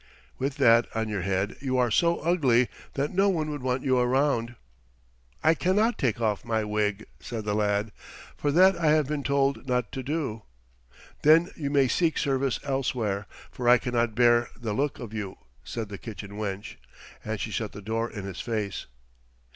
"With that on your head you are so ugly that no one would want you around." "I cannot take off my wig," said the lad, "for that I have been told not to do." "Then you may seek service elsewhere, for I cannot bear the look of you," said the kitchen wench, and she shut the door in his face.